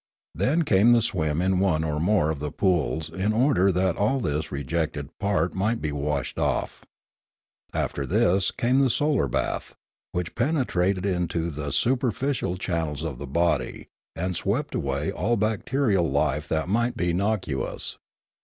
Then came the swim in one or more of the pools, in order that all this rejected part might be washed off. After this came the solar bath, which penetrated into the superficial channels of 152 Limanora the body and swept away all bacterial life that might be nocuous.